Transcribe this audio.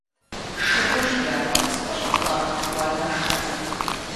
Шыгушт япэ къыспэщӀэхуар, уанэштэкъым.